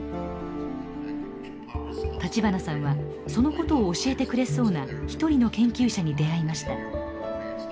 立花さんはそのことを教えてくれそうな一人の研究者に出会いました。